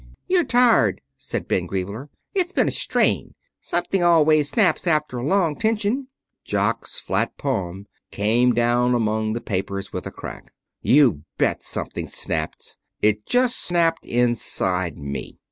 "You're tired," said Ben Griebler. "It's been a strain. Something always snaps after a long tension." Jock's flat palm came down among the papers with a crack. "You bet something snaps! It has just snapped inside me."